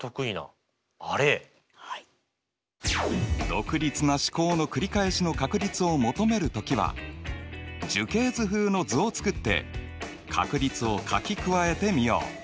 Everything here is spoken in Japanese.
独立な試行の繰り返しの確率を求める時は樹形図風の図を作って確率を書き加えてみよう。